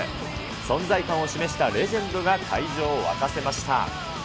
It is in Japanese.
存在感を示したレジェンドが会場を沸かせました。